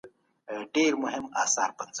هغوی خپل ورېښتان مینځي.